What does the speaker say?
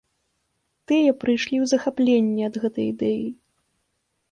Тыя прыйшлі ў захапленне ад гэтай ідэі.